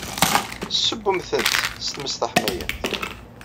Sewwem-tent s tmes taḥmayant.